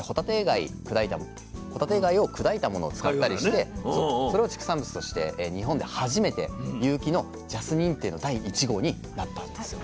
そしてほたて貝を砕いたものを使ったりしてそれを畜産物として日本で初めて有機のＪＡＳ認定の第１号になったんですよ。